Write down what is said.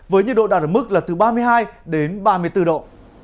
với nhiệt độ đạt ở mức là từ ba mươi hai đến ba mươi bốn độ